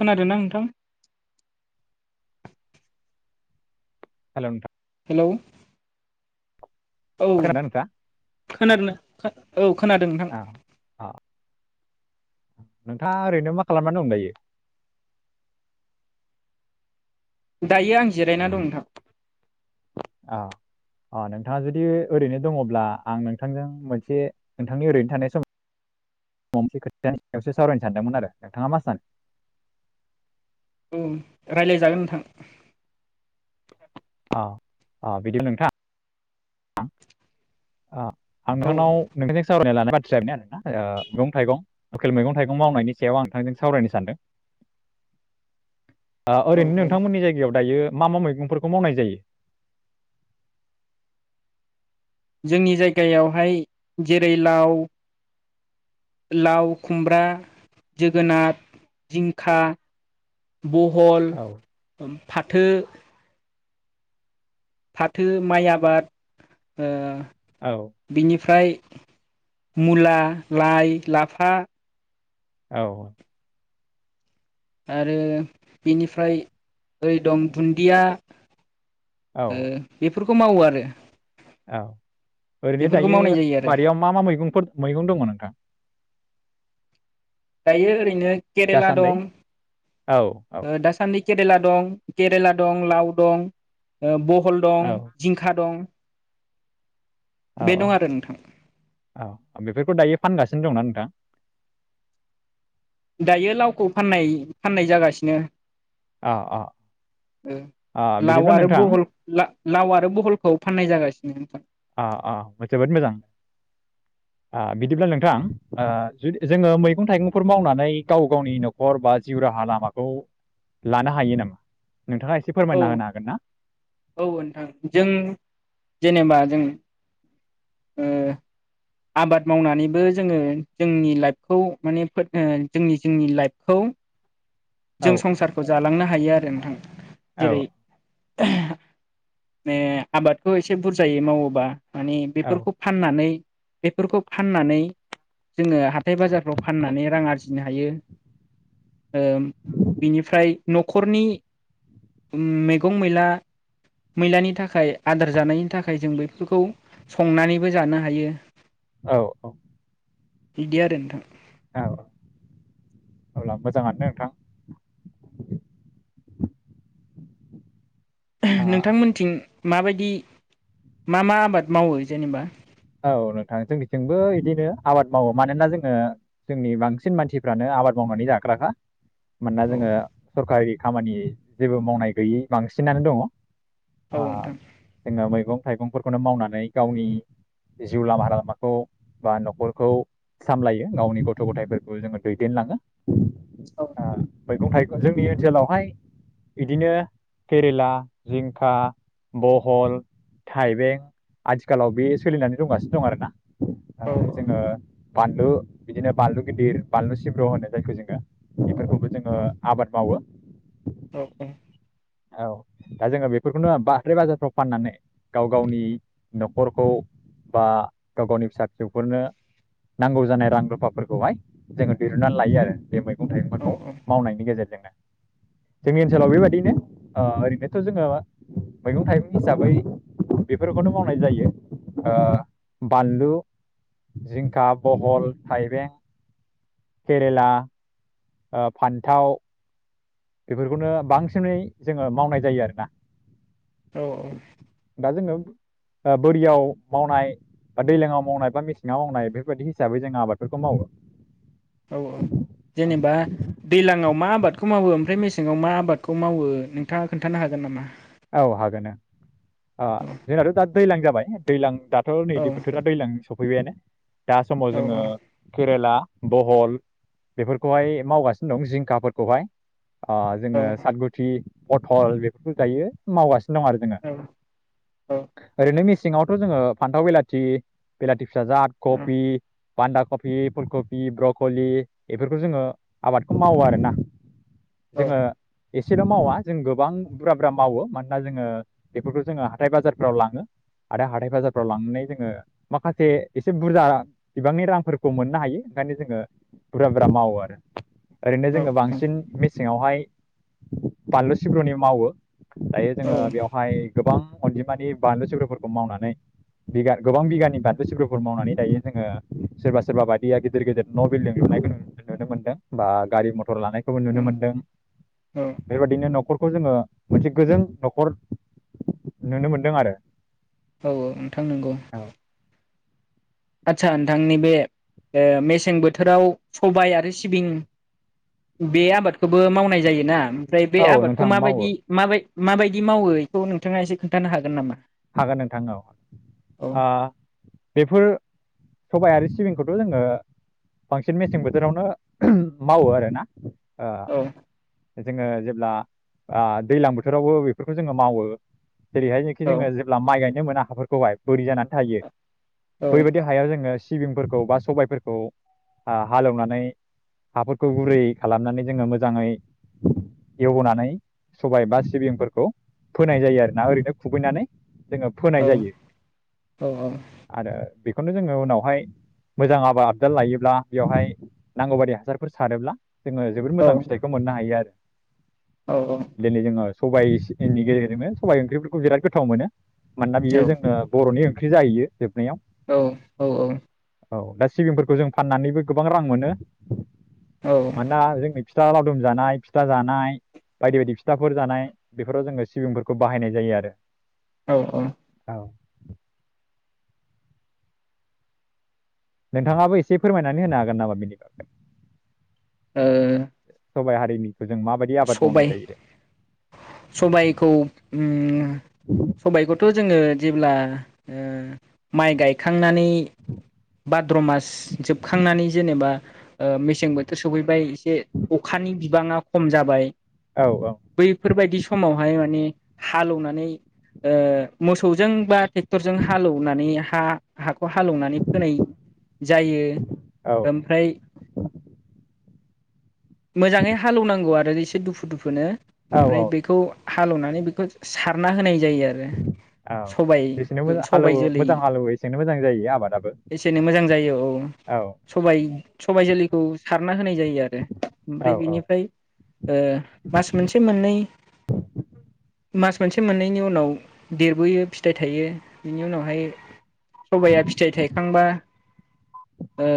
खोनादोंना नोंथां? हेलौ नोंथाङ। हेलौ। औ खोनादोंना नोंथाङा? खोनादोंना औ खोनादों नोंथां। औ अ नोंथाङा ओरैनो मा खालामनानै दं दायो। दायो आं जिरायना दं नोंथां। औ अ नोंथाङा जुदि ओरैनो दङब्ला आं नोंथांजों मोनसे नोंथांनि ओरैनो थानाय समाव मोनसे खोथानि सायावसो सावरायनो सानदोंमोन आरो नोंथाङा मा सानो। औ रायलायजागोन नोंथां। औ-औ बिदि नोंथां। ओ आं औ नोंथांनाव नोंथांजों सावरायना लानो। आरोना ओ मैगं थाइगं लकेल मैगं थाइगं मावनायनि सायाव आं नोंथांजों सावरायनो सानदों। आ औ ओरैनो औ नोंथांमोननि जायगायाव दायो। मा-मा मैगंफोरखौ मावनाय जायो। जोंनि जायगायावहाय जेरै लाव। लाव खुमब्रा जोगोनार जिंखा। बहल औ ओम फाथो। [inaudible] फाथो माइ आबाद ओ। औ बिनिफ्राय। मुला लाइ लाफा। औ। आरो बेनिफ्राय ओरै दं दुन्दिया। ओ बे। औ बे फोरफोरखौ मावो आरो। औ ओरैनो बेफोरखौ दायो मावनाय जायो आरो बारियाव मा-मा मैगंफोर मैगं दङ नोंथां। दायो ओरैनो केरेला दासान्दै? दं औ औ ओ दासान्दि। केेरेला दं केरेला दं लाव दं। भल दं औ जिंखा दं। बे दं आरो नोंथां औ-औ-औ बेफोरखौ दायो फानगासिनो दंना नोंथां। दायो लावखौ फाननाय फाननाय जागासिनो। अ अ ओ अ लाव बिदिब्ला आरो नोंथां बहल लाव आरो बहलखौ फाननाय जागासिनो। उ। अ अ जोबोद मोजां थां ओ। जु जोङो मैगं थाइगं। फोरफोर मावनानै गाव गावनि न'खर बा जिउ राहा लामाखौ लानो हायो नामा। नोंथाङा एसे फोरमायना होनो हागोन ना औ-औ नोंथां जों जेनेबा। जों ओ। आबाद मावनानैबो जोङो जोंनि लाइफखौ माने जोंनि-जोंनि लाइफखौ। औ जों संसारखौ जालांनो हायो आरो नोंथां। औ जेरै ने आबादखौ एसे बुरजायै मावोबा माने औ बेफोरखौ फाननानै बेफोरखौ फाननानै जोङो हाथाय बाजारफ्राव फाननानै रां आरजिनो हायो। ओम बिनिफ्राय न'खरनि मैगं मैला मैलानि थाखाय आदार जानायनि थाखाय जों बेफोरखौ संनानैबो जानो हायो। औ औ बिदि आरो नोंथां। औ अब्ला मोजाङानो नोंथां। आ नोंथां मोनथिं माबायदि मा मा आबाद मावो जेनेबा? औ नोंथां जोंनिथिंबो बिदिनो आबाद मावो मानोना जोङो जोंनि बांसिन मानसिफ्रानो आबाद मावनानै जाग्राखा। मानोना औ जोङो सरकारि खामानि जेबो मावनाय गैयै बांसिनानो दङ। औ आ नोंथां जोङो मैगं थाइगंफोरखौनो मावनानै गावनि जिउ लामा लामाखौ बा न'खरखौ सामलायो गावनि गथ' गथायफोरखौ जोङो दैदेनलाङो। औ मैगं थाइगं जोंनि ओनसोलावहाय बिदिनो केरेला, जिंखा, बहल, थाइबें आथिखालाव बे सोलिनानै दंगासिनो दं आरोना। आ औ जोङो बानलु बिदिनो बानलु गिदिर बानलु सिब्र होनो जायखौ जोङो। बेफोरखौबो जोङो औ आबाद मावो। औ औ औ दा जोङो बेफोरखौनो बा बाजारफ्राव फाननानै गाव गावनि न'खरखौ बा गाव गावनि फिसा फिसौफोरनो नांगौ जानाय रां रुफाफोरखौहाय जोङो दिरुननानै लायो आरो बे मै गं औ थाइगंखौ मावनायनि गेजेरजोंनो। जोंनि ओनसोलाव बेबायदिनो ओ ओरैनोथ' जोङो मैगं थाइगं हिसाबै बेफोरखौनो मावनाय जायो। ओ बानलु, जिंखा, बहल, थाइबें, केरेला, ओ फान्थाव, बेफोरखौनो बांसिनै जोङो मावनाय जायो आरोना। औ औ दा जोङो बोरियाव मावनाय बा दैलाङाव मावनाय बा मेसेङाव मावनाय बेफोरबायदि हिसाबै जों आबादफोरखौ मावो। औ औ जेनेबा दैलाङाव मा आबाद खौ मावो ओमफ्राय मेसेङाव मा आबादखौ मावो नोंथाङा खोन्थानो हागोन नामा? औ हागोन नो ओ औ जोंनाथ' दा दैलां जा बाय दैलां दाथ' औ नैदि बोथोरा दैजां सफ फैबायानो दा समाव जोङो औ केरेला बहल बेफोरखौहाय मावगासिनो दं जिंखाफोरखौहाय। आ औ जोङो सातगुथि पटल बेफोरखौ जायो। मावगा दं आरो जोङो। ओरैनो मि सिङावथ' जोङो फान्थाव बेलाति बेलाति फिसाजाद कबि बान्दा कबि फुलकबि ब्रकलि बेफोरखौ जोङो आबादअखौ मावो आरोना। औ जोङो एसेल' मावा जों गोबां बुरा बुरा मावो। मानोना जोङो बेफोरखौ जोङो हाथथाय बाजारफ्राव लाङो आरो हाथथाय बाजारफ्राव लांनानै जोङो माखासे एसे बुरजा बिबांनि रांफोरखौ मोननो हायो ओंखायनो जोङो बुरजा बुरजा मावो आरो। ओरैनो जोङो बांसिन सिङावहाय बानलु सिब्रुनि मावो। दायो जोङो बेवहाय गोबां अनजिमानि बानलु सिब्रफोरखौ मावनानै बि गोबां बिगानि बानलु सिब्रफोर मावनानै दायो जोङो सोरबा सोरबा बायदिया गिदिर गिदिर न' बिल्डिं लुनायखौ नुनो मोनदों बा गारि मथर लानाय नुनो मोनदों। औ बेबायदिनो नखर खौ जोङो मोनसे गोजो न'खर नुनो मोनदों आरो। औ औ नोंथां नंगौ। औ आचसा नोंथांनि बे मेसें बोथोराव सबाय आरो सिबिं बे आबादखौबो मावनाय जायोना? ओमफ्राय बे औ आबादखौ नोंथां मावो माबायदि माबाय माबायदि मावो बेखौ नोंथाङा एसे खोन्थानो हागोन नामा? हागोन नोंथां औ औ बेफोर सबाय आरो सिबिंखौथ' जोङो बांसिन मेसें बोथोरावनो मावो आरोना। ओ औ जोङो जेब्ला दैलां बोथोरावबो बेफोरखौ जोङो मावो। जेरैहाय जेखि औ जोङो माइ गायनो मोना हाफोरखौहाय बोरै जाना थायो बैबायदि हायाव जोङो सिबिंफोरखौ बा सबायफोरखौ हालेवनानै हाफोरखौ गुरै खालामनानै जोङो मोजाङै एवनानै सबाय बा सिबिंफोरखौ फोनाय जायो आरोना ओरैनो खुबैनानै जोङो औ फोनाय जायो औ आरो बेखौ खौनो जोङो उनावहाय मोजां आबाद आबजाद लायोब्ला बेवहाय नांगौ बादि हासारफोर सारोब्ला जोङो जोबोद मोजां फिथाइखौ मोननो हायो आरो [unintelligible] औ औ सबायाइनि गेजेरजोंनो सबाइ ओंख्रिफोरखौ बिराद गो थाव मोनो मानोना औ बियो जोंनो बर'नि ओं ख्रि जाहैयो जोबनायाव औ औ औ औ दा सिबिंफोरखौ जों फाननानैबो गोबां रां मोनो । औ मानोना फिथा लावदुम जानाय, फिथा जानाय बायदि बायदि फिथाफोर जानाय, बेफोराव जोङो सिबिंफोरखौ बाहायनाय जायो आरो । औ औ [unintelligible] नोंथाङाबो एसे फोरमायनानै होनो हागोन नामा? बिनि बागै । ओ सबायाइ हारिनि सबाय सबायखौ ओ सबायखौथ' जोङो जेब्ला ओ माइ गायखा खांनानै भाद्र' मास जोबखांनानै जेनेबा मेसें बोथोर सफैबाय एसे अखानि बिबाङा खम जाबाय औ औ बैफोरबायायदि समावहाय माने हालौवनानै ओ मोसौजों बा टेक्टरजों हालौवनानै हा हा हालौवनानै फोनाय जायो औ ओमफ्राय मोजाङै हालौवनांगौ गौ आरो एसे दुफु दुफुनो औ ओमफ्राय औ बेखौ हालेवनानै बेखौ सारना होनाय जायो आरो औ सबाय जेसेनो मोजां फंबाइ हालेवो जोलै मोजां हालेवो एसेनो मोजां जायो आबादाबो एसे एनै मोजां जायो औ औ सबाय फंबाइ जोलैखौ सारना होनाय जायो आरो औ ओमफ्राय औ बिनिफ्राय ओ, मास मोनसे मोननै मास मोनसे मोननैनि उनाव देरबोयो फिथाइ थायो बिनि उनावहाय सबाइाया फिथाइ थाइखांबा ओ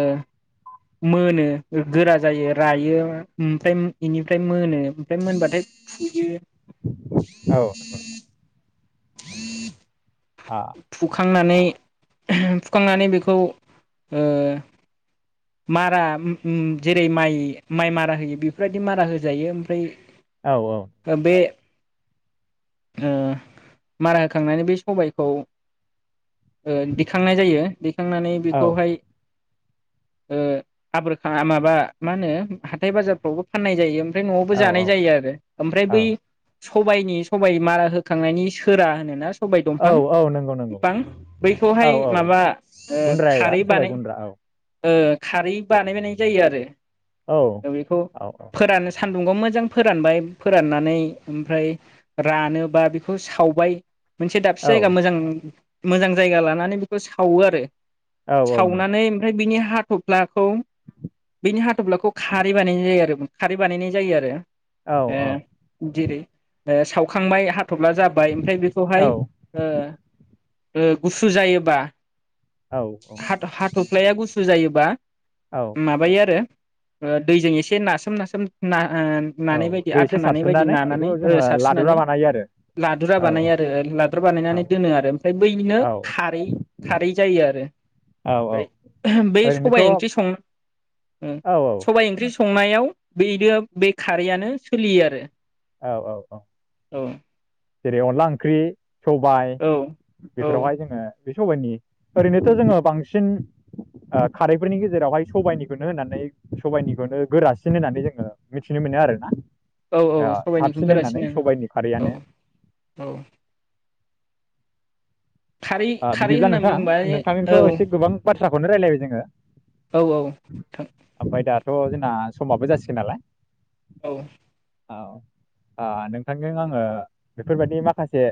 मोनो गोरा जायो रायो, ओमफ्राय बेनिफ्राय मोनो मोनबाथाय फुयो औ आ थुखांनानै फुखांनानै बेखौ ओ मारा ओम ओम जेरै माइ माइ मारा होयो बेफोरबायदि मारा होजायो ओमफ्राय औ औ ओ बे ओ मारा होखांनानै बे सबायखौ ओ दिखांनाय जायो दिखांनानै औ बेखौहाय ओ आबोरखाङा माबा मा होनो हाथाय बाजारफ्रावबो फाननाय जायो। ओमफ्राय नआवबो जानाय औ जायो आरो ओमफ्राय औ बै सबाइनि सबाइ मारा होखांनायनि सोरा होनोना सबाय दंफां औ औ नंगौ नंगौ बिफां बैखौहाय औ औ माबा ओ गुन्द्राया खारै सबाइ बानाय गुन्द्रा औ ओ खारै बानायबायनाय जायो आरो औ जों बेखौ औ फोरानो सा सान्दुंगाव मोजां फोरानबाय फोराननानै ओमफ्राय रानोबा बेखौ सावबाय मोनसे दाबसे औ जायगा मोजां मोजां जायगा लानानै बेखौ सावो आरो। औ औ नंगौ सावनानै ओमफ्राय बिनि हाथफ्लाखौ बेनि हाथफ्लाखौ खारै बानायनाय जायो आरो खारै बानायनाय जायो आरो। औ ए जेरै ओ सावखांबाय हा थब्ला जाबाय ओमफ्राय औ बेखौहाय ओ ओ गुसु जायोबा हाट हाटब फ्लाया गु सु जायोबा औ माबायो आरो ओ दैजों एसे नासोम नासोम ना ओ औ नानाय बायदि दै आथा एसे नानाय बायदि सारस्रोनानै नानानै बेखौ ओ जोङो लादुरा दैसारस्रिनानै बानायो आरो लादुरा औ बानायो आरो ओ लादुरा औ बानायनानै दोनो आरो ओमफ्राय बैनिनो औ खारै खारै जायो आरो। औ औ ओमफ्राय बेै ओरैनोथ' औ सबाइ ओंख्रि सं औ सबाइ ओंख्रि संनायाव बैदो बे खारैयानो सोलियो आरो। औ औ औ औ जेरै अनला ओंख्रि सबाय औ औ बेफोरावहाय जोङो बे सबायाइनि ओरैनोथ' जोङो बांसिन खारैफोरनि गेजेरावहाय सबाइनिखौनो होननानै सबाइनिखौनो गोरासिन होननानै जोङो मिथिनो मोनो आरोना औ औ ओ साबसिन होननानै सबायाइनिखौगोरासिनो सबाइनि औ खारैयानो औ खारै खारै बिदिब्ला होननानै नोंथां बुंबा नोंथांनिथ' औ एसे गोबां बाथ्राखौनो रायलायबाय जोङो औ औ नोंथां ओमफ्राय दा थ' जोंना समाबो जासिगोन नालाय औ औ ओ नोंथांजों आङो बेफोरबायदि माखासे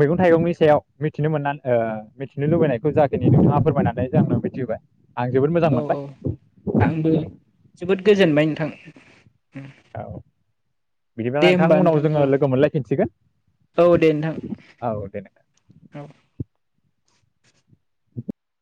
मैगं थाइगंनि सायाव मिथिनो मोननानै ओ मिथिनो लुबैनायखौ जाखिनि नोंथाङा फोरमायनानै जोंनो मिथिहोबाय। आं जोबोद मोजां औ मोनबाय औ आंबो जोबोद गोजोनबाय नोंथां । औ बिदिब्ला नोंथां उनाव जोङो लोगो मोनलायफिनसिगोन औ दे नोंथां औ दे औ नोंथां।